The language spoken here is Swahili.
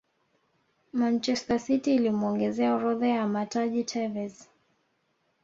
manchester city ilimuongezea orodha ya mataji tevez